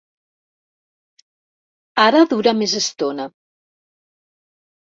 Ara dura més estona.